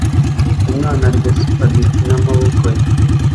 Umwana arya spaghetti n'amaboko ye